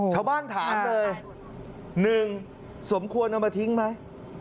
ถามเลย๑สมควรเอามาทิ้งไหม